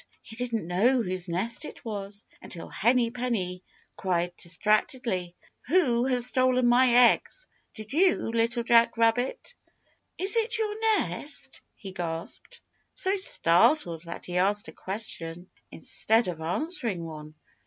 He didn't know whose nest it was until Henny Penny cried distractedly, "Who has stolen my eggs? Did you, Little Jack Rabbit?" "Is it your nest?" he gasped, so startled that he asked a question instead of answering one.